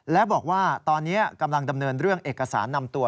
และบอกว่าตอนนี้กำลังดำเนินเรื่องเอกสารนำตัว